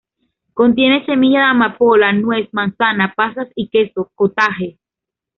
Contiene semilla de amapola, nuez, manzana, pasas y queso "cottage".